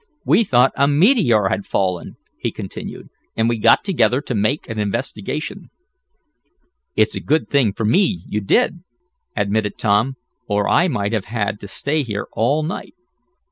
"We thought a meteor had fallen," he continued, "and we got together to make an investigation." "It's a good thing for me you did," admitted Tom, "or I might have had to stay here all night."